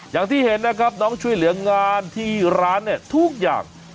อย่างที่เห็นนะครับน้องช่วยเหลืองานที่ร้านเนี่ยทุกอย่าง